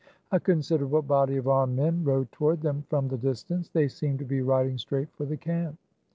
A considerable body of armed men rode toward them from the distance. They seemed to be riding straight for the camp.